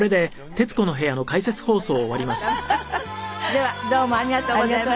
ではどうもありがとうございました。